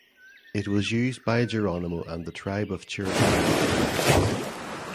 It was used by Geronimo and the tribe of Chiricahua Apaches.